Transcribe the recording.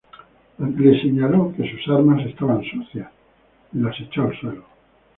Le señaló que sus armas estaban sucias y las echó al suelo.